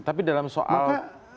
tapi dalam soal